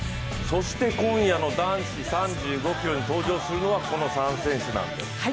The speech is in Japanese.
そして、今夜の男子３５ｋｍに登場するのはこの３選手なんです。